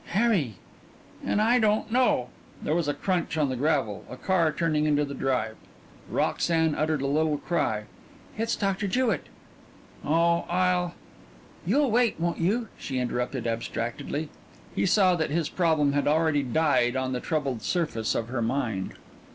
"Harry!" "And I don't know " There was a crunch on the gravel, a car turning into the drive. Roxanne uttered a little cry. "It's Doctor Jewett." "Oh, I'll " "You'll wait, won't you?" she interrupted abstractedly. He saw that his problem had already died on the troubled surface of her mind.